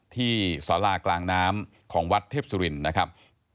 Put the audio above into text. ที่สารากลางน้ำของวัดเทพสุรินทร์นะครับ